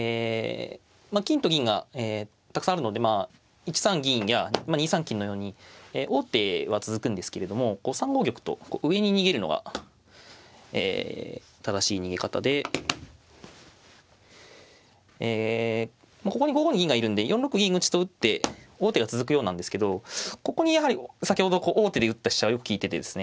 金と銀がたくさんあるので１三銀や２三金のように王手は続くんですけれども３五玉と上に逃げるのが正しい逃げ方でここに５五に銀がいるんで４六銀打と打って王手が続くようなんですけどここにやはり先ほどこう王手で打った飛車がよく利いててですね